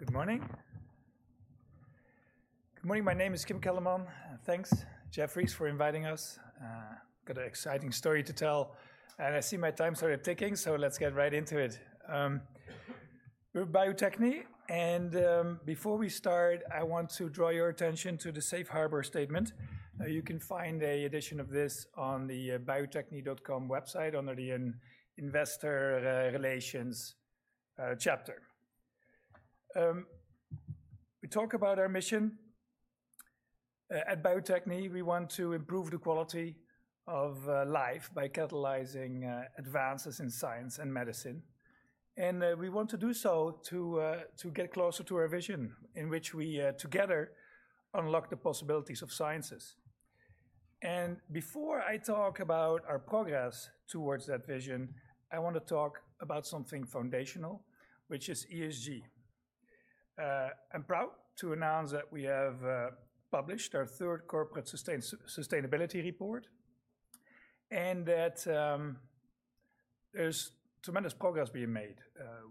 Good morning. Good morning, my name is Kim Kelderman, and thanks, Jefferies, for inviting us. Got an exciting story to tell, and I see my time started ticking, so let's get right into it. We're Bio-Techne, and before we start, I want to draw your attention to the safe harbor statement. You can find a edition of this on the bio-techne.com website under the Investor Relations chapter. We talk about our mission. At Bio-Techne, we want to improve the quality of life by catalyzing advances in science and medicine. And we want to do so to get closer to our vision, in which we together unlock the possibilities of sciences. And before I talk about our progress towards that vision, I want to talk about something foundational, which is ESG. I'm proud to announce that we have published our third corporate sustainability report, and that there's tremendous progress being made.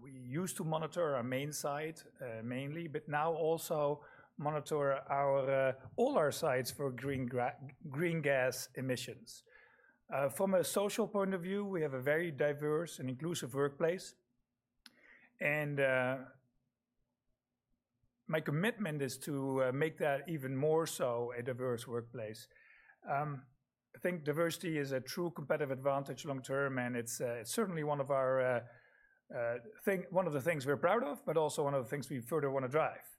We used to monitor our main site mainly, but now also monitor all our sites for greenhouse gas emissions. From a social point of view, we have a very diverse and inclusive workplace, and my commitment is to make that even more so a diverse workplace. I think diversity is a true competitive advantage long term, and it's certainly one of our one of the things we're proud of, but also one of the things we further wanna drive.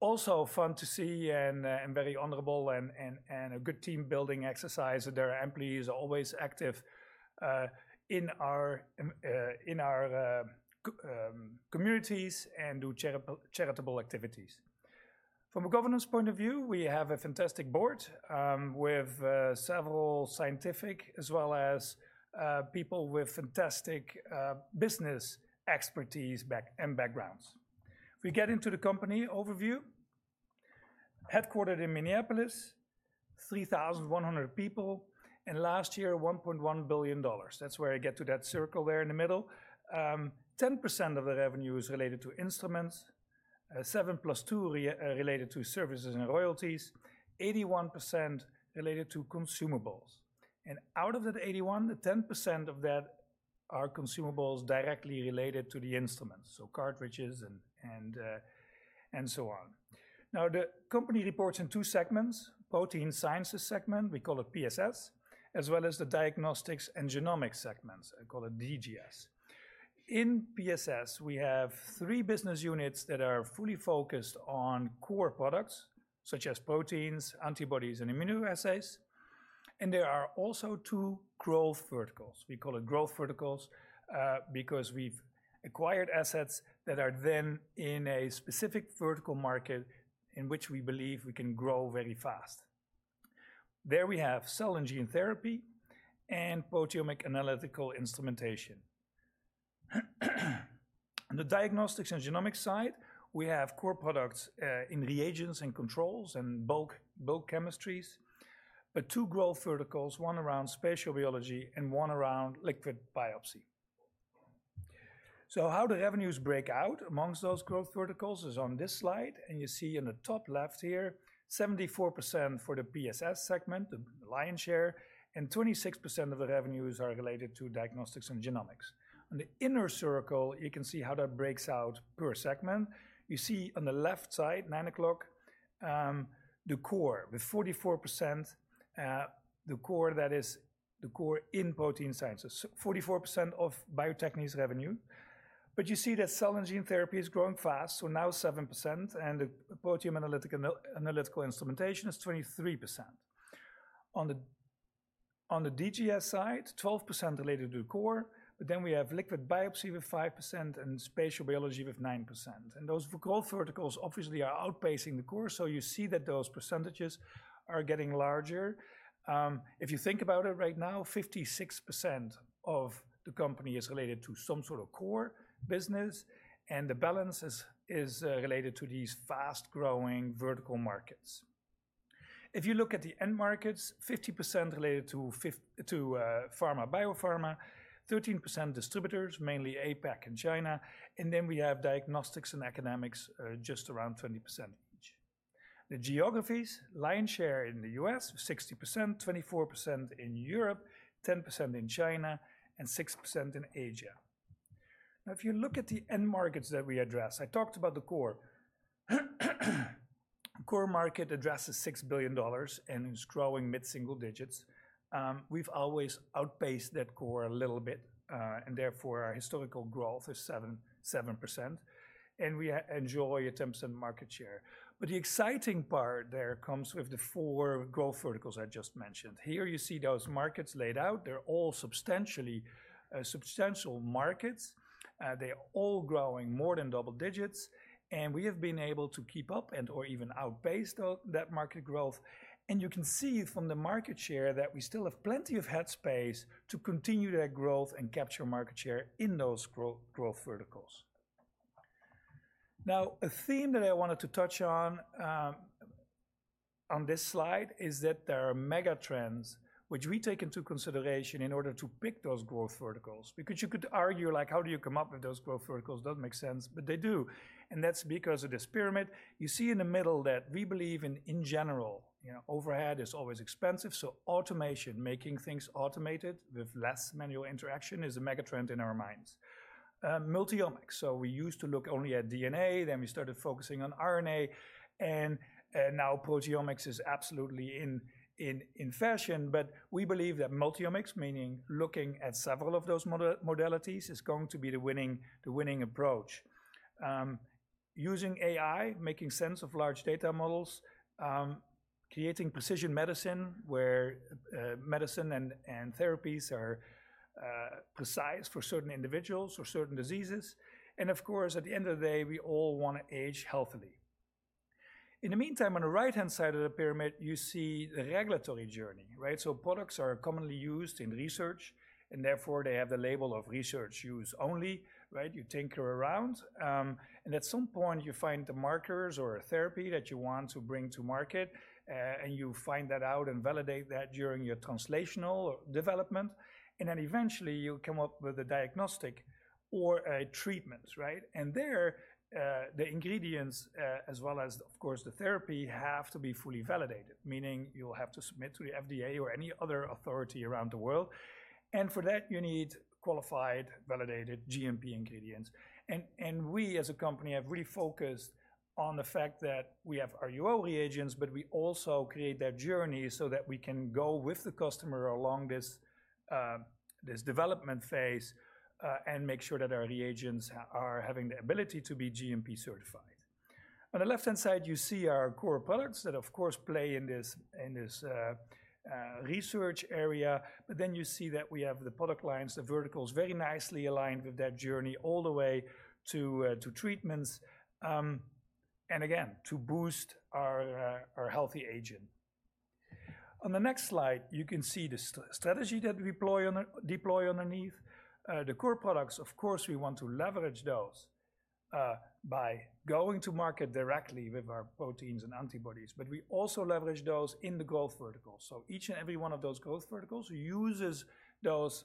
Also fun to see and very honorable and a good team-building exercise, that our employees are always active in our communities and do charitable activities. From a governance point of view, we have a fantastic board with several scientific, as well as, people with fantastic business expertise backgrounds. If we get into the company overview, headquartered in Minneapolis, 3,100 people, and last year, $1.1 billion. That's where I get to that circle there in the middle. 10% of the revenue is related to instruments, 7 + 2 related to services and royalties, 81% related to consumables. And out of that 81%, 10% of that are consumables directly related to the instruments, so cartridges and so on. Now, the company reports in two segments, Protein Sciences Segment, we call it PSS, as well as the Diagnostics and Genomics Segments, I call it DGS. In PSS, we have three business units that are fully focused on core products, such as proteins, antibodies, and immunoassays, and there are also two growth verticals. We call it growth verticals because we've acquired assets that are then in a specific vertical market in which we believe we can grow very fast. There we have cell and gene therapy and proteomic analytical instrumentation. On the diagnostics and genomics side, we have core products in reagents and controls and bulk, bulk chemistries, but two growth verticals, one around spatial biology and one around liquid biopsy. So how do revenues break out amongst those growth verticals is on this slide, and you see in the top left here, 74% for the PSS segment, the lion's share, and 26% of the revenues are related to diagnostics and genomics. On the inner circle, you can see how that breaks out per segment. You see on the left side, nine o'clock, the core with 44%, the core that is the core in protein sciences, so 44% of Bio-Techne's revenue. But you see that cell and gene therapy is growing fast, so now 7%, and the proteomic analytical instrumentation is 23%. On the DGS side, 12% related to core, but then we have liquid biopsy with 5% and spatial biology with 9%. And those growth verticals obviously are outpacing the core, so you see that those percentages are getting larger. If you think about it, right now, 56% of the company is related to some sort of core business, and the balance is related to these fast-growing vertical markets. If you look at the end markets, 50% related to pharma, biopharma, 13% distributors, mainly APAC and China, and then we have diagnostics and academics, just around 20% each. The geographies, lion's share in the US, 60%, 24% in Europe, 10% in China and 6% in Asia. Now, if you look at the end markets that we address, I talked about the core. Core market addresses $6 billion, and it's growing mid-single digits. We've always outpaced that core a little bit, and therefore, our historical growth is 7.7%, and we enjoy a 10% market share. But the exciting part there comes with the four growth verticals I just mentioned. Here you see those markets laid out. They're all substantially substantial markets. They're all growing more than double digits, and we have been able to keep up and/or even outpace that market growth. And you can see from the market share that we still have plenty of headspace to continue that growth and capture market share in those growth verticals. Now, a theme that I wanted to touch on on this slide is that there are mega trends which we take into consideration in order to pick those growth verticals. Because you could argue, like, how do you come up with those growth verticals? Doesn't make sense, but they do, and that's because of this pyramid. You see in the middle that we believe in, in general, you know, overhead is always expensive, so automation, making things automated with less manual interaction, is a mega trend in our minds. Multiomics. So we used to look only at DNA, then we started focusing on RNA, and now proteomics is absolutely in fashion. But we believe that multiomics, meaning looking at several of those modalities, is going to be the winning approach. Using AI, making sense of large data models, creating precision medicine, where medicine and therapies are precise for certain individuals or certain diseases. And of course, at the end of the day, we all wanna age healthily. In the meantime, on the right-hand side of the pyramid, you see the regulatory journey, right? So products are commonly used in research, and therefore they have the label of research use only, right? You tinker around, and at some point you find the markers or a therapy that you want to bring to market, and you find that out and validate that during your translational development. And then eventually you come up with a diagnostic or a treatment, right? And there, the ingredients, as well as, of course, the therapy, have to be fully validated, meaning you will have to submit to the FDA or any other authority around the world. And for that, you need qualified, validated GMP ingredients. We as a company have really focused on the fact that we have RUO reagents, but we also create that journey so that we can go with the customer along this, this development phase, and make sure that our reagents are having the ability to be GMP certified. On the left-hand side, you see our core products that of course play in this, in this, research area. But then you see that we have the product lines, the verticals, very nicely aligned with that journey all the way to, to treatments, and again, to boost our, our healthy aging. On the next slide, you can see the strategy that we deploy underneath. The core products, of course, we want to leverage those by going to market directly with our proteins and antibodies, but we also leverage those in the growth verticals. Each and every one of those growth verticals uses those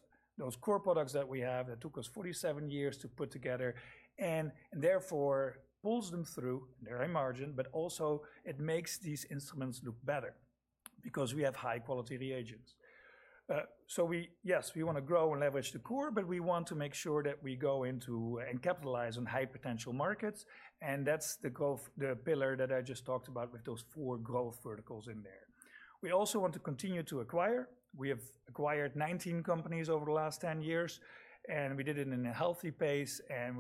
core products that we have, that took us 47 years to put together, and therefore pulls them through. They're in margin, but also it makes these instruments look better because we have high-quality reagents. Yes, we wanna grow and leverage the core, but we want to make sure that we go into and capitalize on high-potential markets, and that's the growth, the pillar that I just talked about with those four growth verticals in there. We also want to continue to acquire. We have acquired 19 companies over the last 10 years, and we did it in a healthy pace. And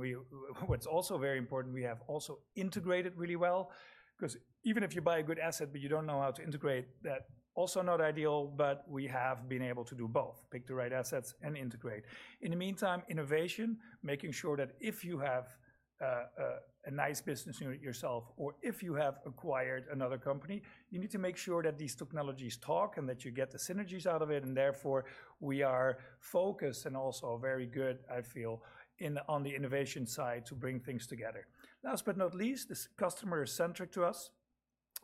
what's also very important, we have also integrated really well, 'cause even if you buy a good asset, but you don't know how to integrate, that also not ideal, but we have been able to do both: pick the right assets and integrate. In the meantime, innovation, making sure that if you have a nice business unit yourself or if you have acquired another company, you need to make sure that these technologies talk and that you get the synergies out of it, and therefore we are focused and also very good, I feel, on the innovation side to bring things together. Last but not least, the customer is centric to us,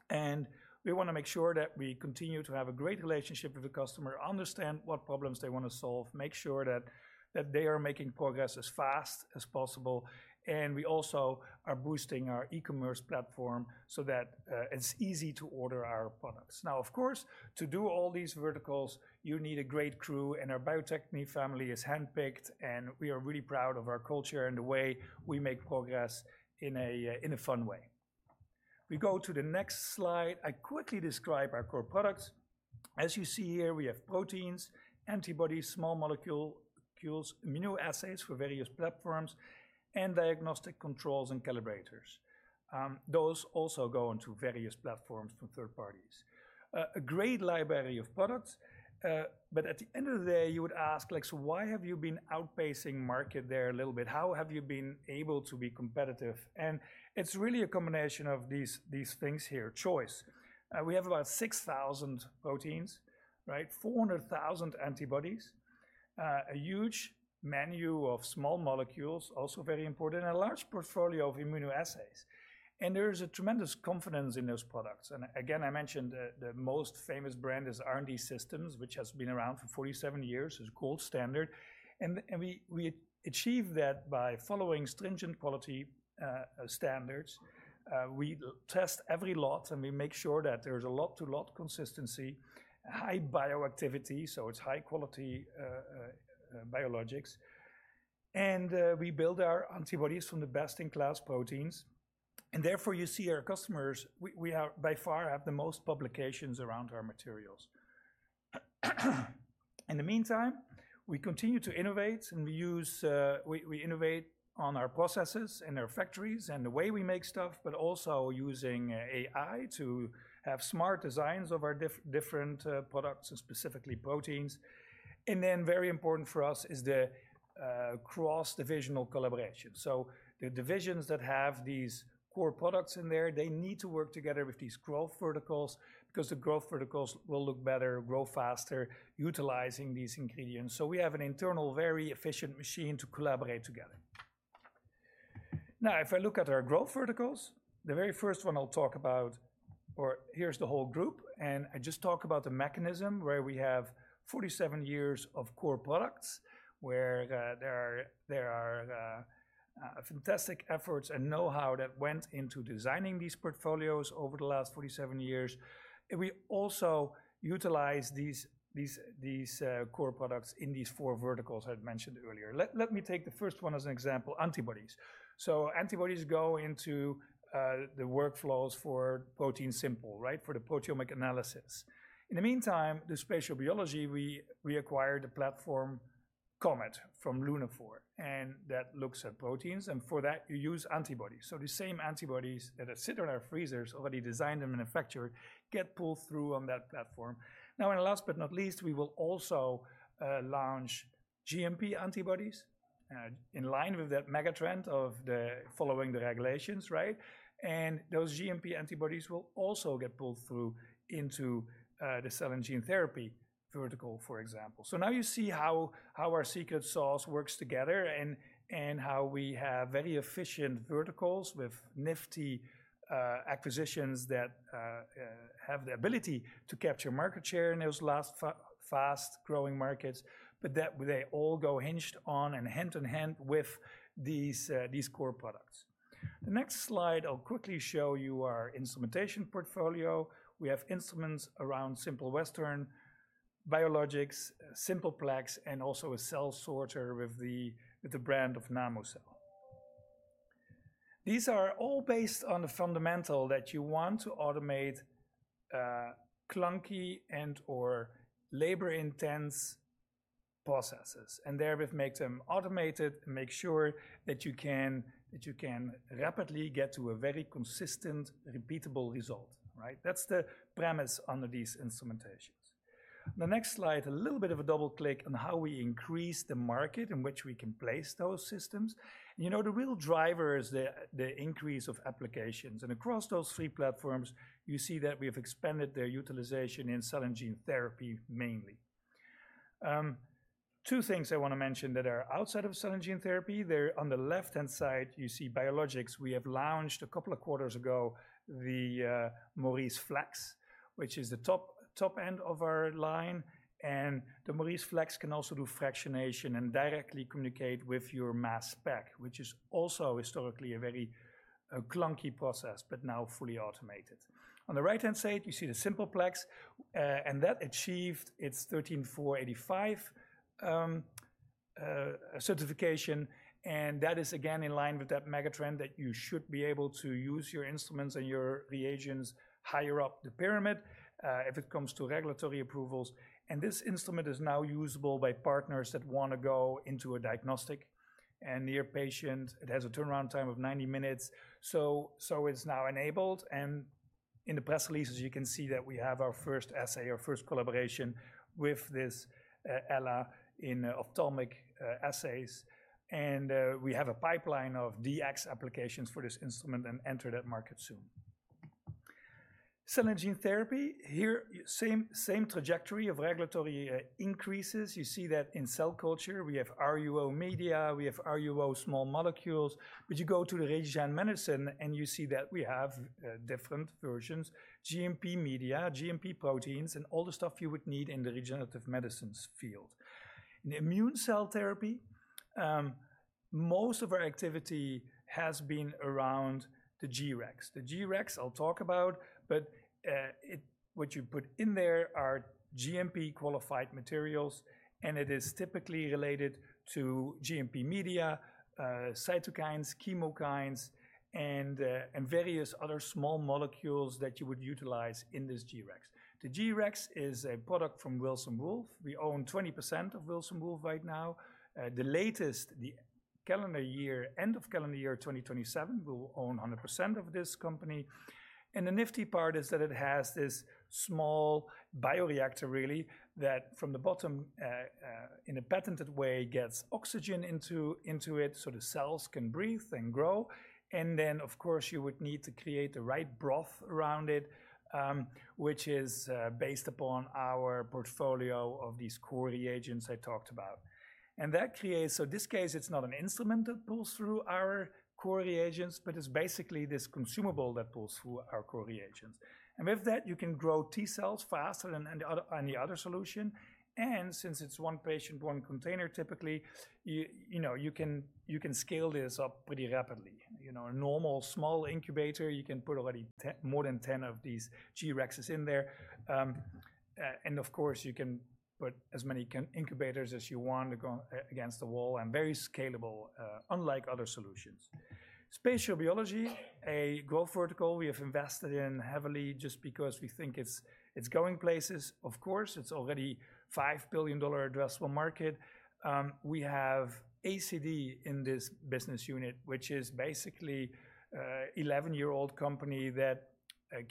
and we wanna make sure that we continue to have a great relationship with the customer, understand what problems they wanna solve, make sure that they are making progress as fast as possible. And we also are boosting our e-commerce platform so that it's easy to order our products. Now, of course, to do all these verticals, you need a great crew, and our Bio-Techne family is handpicked, and we are really proud of our culture and the way we make progress in a fun way. We go to the next slide. I quickly describe our core products. As you see here, we have proteins, antibodies, small molecule, molecules, immunoassays for various platforms, and diagnostic controls and calibrators. Those also go into various platforms from third parties. A great library of products, but at the end of the day, you would ask, like: So why have you been outpacing market there a little bit? How have you been able to be competitive? And it's really a combination of these things here. Choice. We have about 6,000 proteins, right? 400,000 antibodies, a huge menu of small molecules, also very important, and a large portfolio of immunoassays, and there is a tremendous confidence in those products. And again, I mentioned the most famous brand is R&D Systems, which has been around for 47 years, is gold standard. And we achieve that by following stringent quality standards. We test every lot, and we make sure that there is a lot-to-lot consistency, high bioactivity, so it's high-quality biologics, and we build our antibodies from the best-in-class proteins. And therefore, you see our customers, we are by far have the most publications around our materials. In the meantime, we continue to innovate. We innovate on our processes and our factories and the way we make stuff, but also using AI to have smart designs of our different products, specifically proteins. And then very important for us is the cross-divisional collaboration. So the divisions that have these core products in there, they need to work together with these growth verticals, because the growth verticals will look better, grow faster, utilizing these ingredients. So we have an internal, very efficient machine to collaborate together. Now, if I look at our growth verticals, the very first one I'll talk about, or here's the whole group, and I just talk about the mechanism where we have 47 years of core products, where there are fantastic efforts and know-how that went into designing these portfolios over the last 47 years. And we also utilize these core products in these four verticals I'd mentioned earlier. Let me take the first one as an example, antibodies. So antibodies go into the workflows for ProteinSimple, right? For the proteomic analysis. In the meantime, the spatial biology, we acquired a platform, COMET, from Lunaphore, and that looks at proteins, and for that, you use antibodies. So the same antibodies that sit in our freezers, already designed and manufactured, get pulled through on that platform. Now, and last but not least, we will also launch GMP antibodies in line with that megatrend of following the regulations, right? And those GMP antibodies will also get pulled through into the cell and gene therapy vertical, for example. So now you see how our secret sauce works together and how we have very efficient verticals with nifty acquisitions that have the ability to capture market share in those vast fast-growing markets, but that they all hinge on and hand in hand with these core products. The next slide, I'll quickly show you our instrumentation portfolio. We have instruments around Simple Western, biologics, Simple Plex, and also a cell sorter with the brand of Namocell. These are all based on the fundamental that you want to automate, clunky and/or labor-intense processes, and therewith make them automated and make sure that you can, that you can rapidly get to a very consistent, repeatable result, right? That's the premise under these instrumentations. The next slide, a little bit of a double click on how we increase the market in which we can place those systems. You know, the real driver is the increase of applications, and across those three platforms, you see that we have expanded their utilization in cell and gene therapy, mainly. Two things I want to mention that are outside of cell and gene therapy. There on the left-hand side, you see biologics. We have launched a couple of quarters ago, the MauriceFlex, which is the top, top end of our line, and the MauriceFlex can also do fractionation and directly communicate with your mass spec, which is also historically a very clunky process, but now fully automated. On the right-hand side, you see the Simple Plex, and that achieved its ISO 13485 certification, and that is again in line with that megatrend, that you should be able to use your instruments and your reagents higher up the pyramid, if it comes to regulatory approvals. And this instrument is now usable by partners that want to go into a diagnostic and near patient. It has a turnaround time of 90 minutes, so, so it's now enabled, and in the press releases, you can see that we have our first assay, our first collaboration with this, Ella in ophthalmic assays, and, we have a pipeline of DX applications for this instrument and enter that market soon. Cell and gene therapy, here, same, same trajectory of regulatory increases. You see that in cell culture, we have RUO media, we have RUO small molecules, but you go to the regen medicine, and you see that we have, different versions, GMP media, GMP proteins, and all the stuff you would need in the regenerative medicines field. In immune cell therapy, most of our activity has been around the G-Rex. The G-Rex, I'll talk about, but what you put in there are GMP-qualified materials, and it is typically related to GMP media, cytokines, chemokines, and various other small molecules that you would utilize in this G-Rex. The G-Rex is a product from Wilson Wolf. We own 20% of Wilson Wolf right now. End of calendar year 2027, we will own 100% of this company. And the nifty part is that it has this small bioreactor, really, that from the bottom, in a patented way, gets oxygen into it, so the cells can breathe and grow. And then, of course, you would need to create the right broth around it, which is based upon our portfolio of these core reagents I talked about. And that creates... So this case, it's not an instrument that pulls through our core reagents, but it's basically this consumable that pulls through our core reagents. And with that, you can grow T cells faster than any other solution, and since it's one patient, one container, typically, you know, you can scale this up pretty rapidly. You know, a normal small incubator, you can put already more than 10 of these G-Rexes in there. And of course, you can put as many incubators as you want to go against the wall, and very scalable, unlike other solutions. Spatial biology, a growth vertical we have invested in heavily just because we think it's going places. Of course, it's already $5 billion addressable market. We have ACD in this business unit, which is basically an 11-year-old company that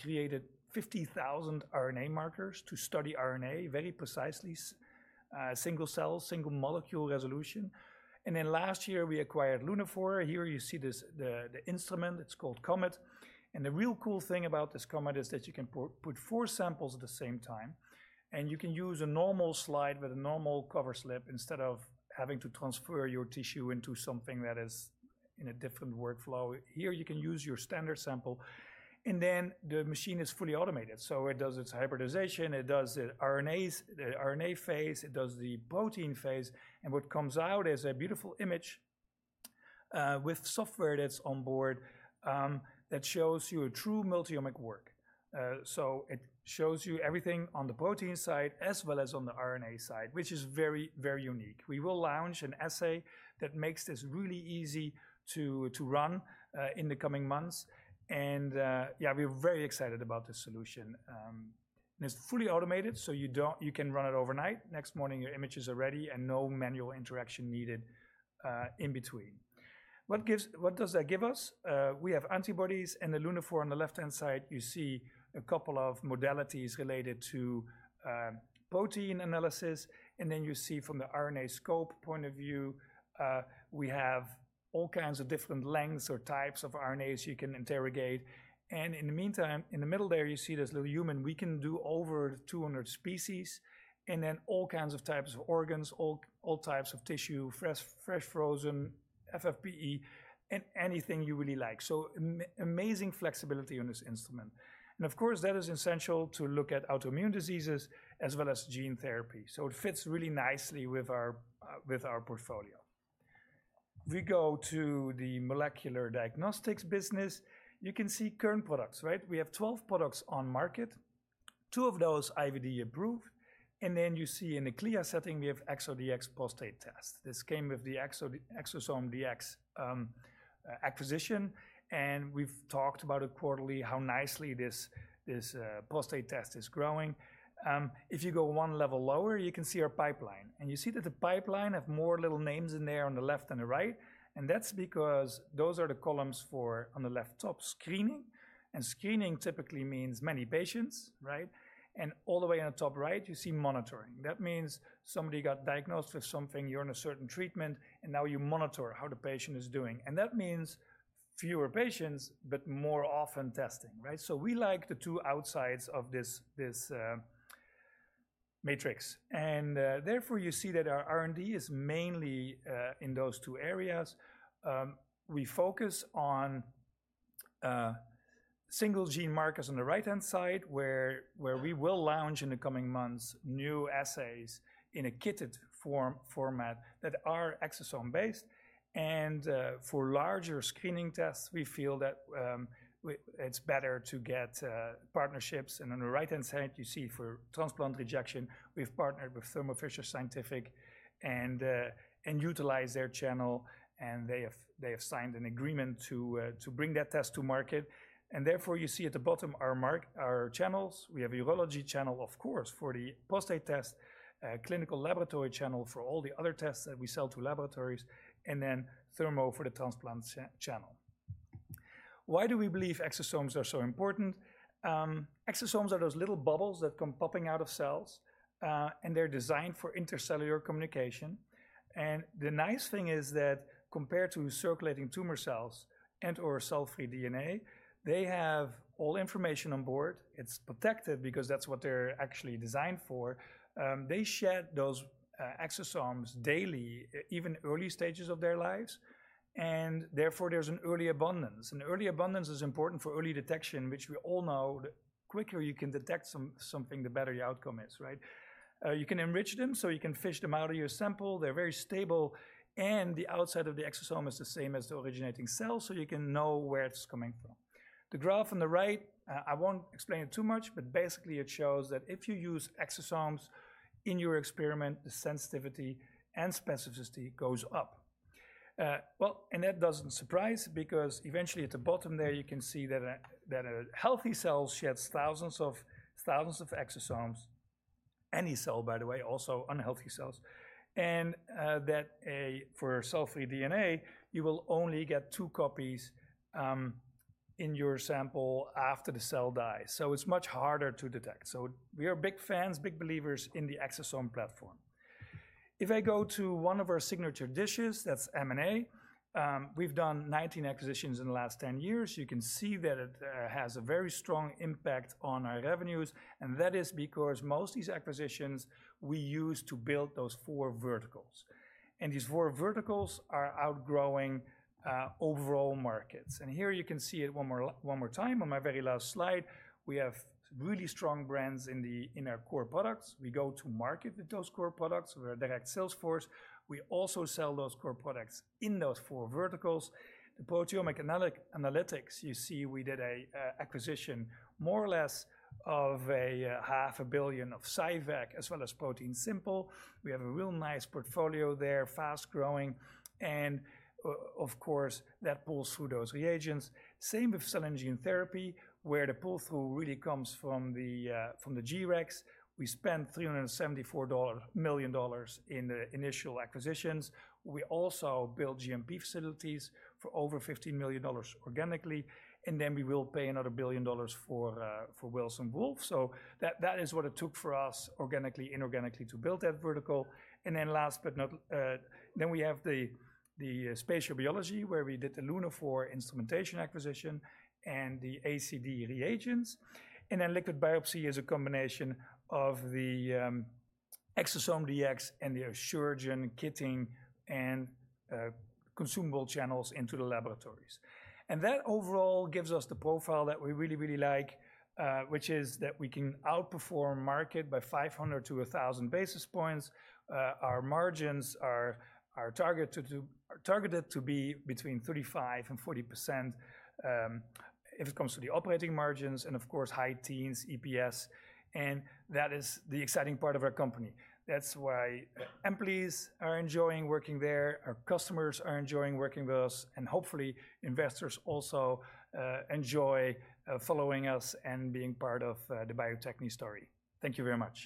created 50,000 RNA markers to study RNA very precisely, single cell, single molecule resolution. Then last year, we acquired Lunaphore. Here you see this, the instrument, it's called COMET. The real cool thing about this COMET is that you can put four samples at the same time, and you can use a normal slide with a normal cover slip instead of having to transfer your tissue into something that is in a different workflow. Here, you can use your standard sample, and then the machine is fully automated. So it does its hybridization, it does the RNAs, the RNA phase, it does the protein phase, and what comes out is a beautiful image with software that's on board that shows you a true multi-omic work. So it shows you everything on the protein side as well as on the RNA side, which is very, very unique. We will launch an assay that makes this really easy to run in the coming months, and yeah, we're very excited about this solution. And it's fully automated, so you can run it overnight. Next morning, your images are ready and no manual interaction needed in between. What does that give us? We have antibodies, and the Lunaphore on the left-hand side, you see a couple of modalities related to protein analysis, and then you see from the RNAscope point of view, we have all kinds of different lengths or types of RNAs you can interrogate. And in the meantime, in the middle there, you see this little human. We can do over 200 species, and then all kinds of types of organs, all types of tissue, fresh frozen, FFPE, anything you really like. So amazing flexibility on this instrument. And of course, that is essential to look at autoimmune diseases as well as gene therapy. So it fits really nicely with our portfolio. We go to the molecular diagnostics business. You can see current products, right? We have 12 products on market, two of those IVD approved, and then you see in the CLIA setting, we have ExoDx Prostate test. This came with the ExosomeDx acquisition, and we've talked about it quarterly, how nicely this prostate test is growing. If you go one level lower, you can see our pipeline, and you see that the pipeline have more little names in there on the left than the right, and that's because those are the columns for, on the left top, screening, and screening typically means many patients, right? And all the way on the top right, you see monitoring. That means somebody got diagnosed with something, you're on a certain treatment, and now you monitor how the patient is doing. And that means fewer patients, but more often testing, right? So we like the two outsides of this matrix, and therefore, you see that our R&D is mainly in those two areas. We focus on single gene markers on the right-hand side, where we will launch in the coming months, new assays in a kitted format that are exosome-based. For larger screening tests, we feel that it's better to get partnerships. On the right-hand side, you see for transplant rejection, we've partnered with Thermo Fisher Scientific and utilize their channel, and they have signed an agreement to bring that test to market. Therefore, you see at the bottom, our channels. We have urology channel, of course, for the prostate test, clinical laboratory channel for all the other tests that we sell to laboratories, and then Thermo for the transplant channel. Why do we believe exosomes are so important? Exosomes are those little bubbles that come popping out of cells, and they're designed for intercellular communication. The nice thing is that compared to circulating tumor cells and/or cell-free DNA, they have all information on board. It's protected because that's what they're actually designed for. They shed those exosomes daily, even early stages of their lives, and therefore, there's an early abundance. And early abundance is important for early detection, which we all know the quicker you can detect something, the better the outcome is, right? You can enrich them, so you can fish them out of your sample. They're very stable, and the outside of the exosome is the same as the originating cell, so you can know where it's coming from. The graph on the right, I won't explain it too much, but basically it shows that if you use exosomes in your experiment, the sensitivity and specificity goes up. Well, that doesn't surprise because eventually at the bottom there, you can see that a healthy cell sheds thousands of exosomes. Any cell, by the way, also unhealthy cells, and that for cell-free DNA, you will only get two copies in your sample after the cell dies, so it's much harder to detect. So we are big fans, big believers in the exosome platform. If I go to one of our signature dishes, that's M&A. We've done 19 acquisitions in the last 10 years. You can see that it has a very strong impact on our revenues, and that is because most of these acquisitions we use to build those four verticals. And these four verticals are outgrowing overall markets. And here you can see it one more time on my very last slide. We have really strong brands in our core products. We go to market with those core products with our direct sales force. We also sell those core products in those four verticals. The proteomics analytics, you see we did an acquisition, more or less of $500 million of CyVek as well as ProteinSimple. We have a real nice portfolio there, fast-growing, and of course, that pulls through those reagents. Same with cell and gene therapy, where the pull-through really comes from the G-Rex. We spent $374 million in the initial acquisitions. We also built GMP facilities for over $15 million organically, and then we will pay another $1 billion for Wilson Wolf. So that is what it took for us organically and inorganically to build that vertical. Then we have the spatial biology, where we did the Lunaphore instrumentation acquisition and the ACD reagents. Then liquid biopsy is a combination of the ExosomeDx and the Asuragen kitting and consumable channels into the laboratories. And that overall gives us the profile that we really, really like, which is that we can outperform market by 500 to 1,000 basis points. Our margins are targeted to be between 35% to 40%, if it comes to the operating margins, and of course, high teens EPS, and that is the exciting part of our company. That's why employees are enjoying working there, our customers are enjoying working with us, and hopefully, investors also enjoy following us and being part of the Bio-Techne story. Thank you very much.